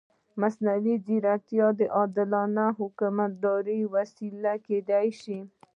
مصنوعي ځیرکتیا د عادلانه حکومتدارۍ وسیله کېدای شي.